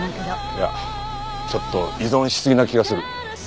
いやちょっと依存しすぎな気がする。